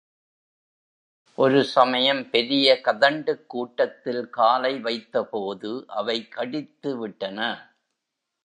ஒரு சமயம் பெரிய கதண்டுக் கூட்டத்தில் காலை வைத்தபோது அவை கடித்துவிட்டன.